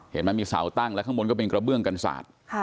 เห็นไหมมีเสาตั้งแล้วข้างบนก็เป็นกระเบื้องกันศาสตร์